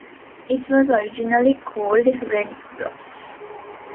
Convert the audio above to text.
It was originally called Red Cross.